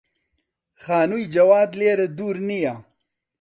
خانووی جەواد لێرە دوور نییە.